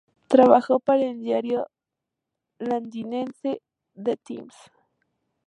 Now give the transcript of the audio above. Trabajó para el diario londinense "The Times".